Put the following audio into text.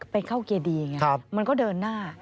ไปเข้าเกียร์ดีไงมันก็เดินหน้า